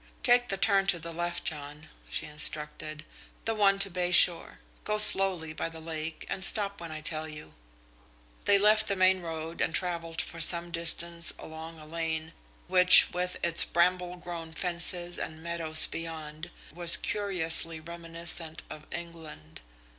"Take the turn to the left, John," she instructed, "the one to Bay Shore. Go slowly by the lake and stop where I tell you." They left the main road and travelled for some distance along a lane which, with its bramble grown fences and meadows beyond, was curiously reminiscent of England.